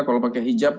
kalau pakai hijab